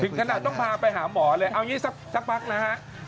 ขนาดต้องพาไปหาหมอเลยเอาอย่างนี้สักพักนะฮะ